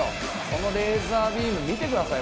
このレーザービーム見てください